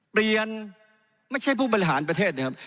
เปลี่ยนไม่ใช่ผู้บริหารประเทศนะครับ